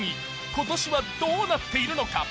今年はどうなっているのか？